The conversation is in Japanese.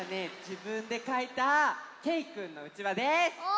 じぶんでかいたけいくんのうちわです！